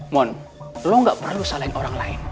mohon lo gak perlu salahin orang lain